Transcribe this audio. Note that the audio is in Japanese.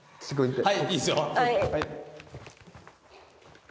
すごい。